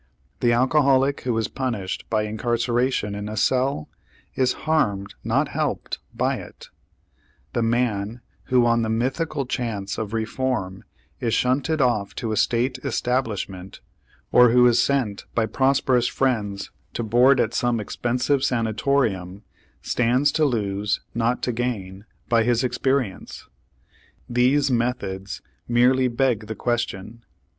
The alcoholic who is punished by incarceration in a cell is harmed, not helped, by it; the man who, on the mythical chance of reform is shunted off to a state establishment, or who is sent by prosperous friends to board at some expensive sanatorium, stands to lose, not gain, by his experience. These methods merely beg the question.